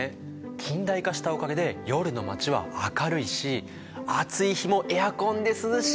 近代化したおかげで夜の街は明るいし暑い日もエアコンで涼しい。